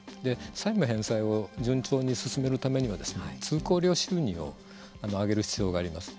債務返済を十分に進めるためには通行料収入を上げる必要があります。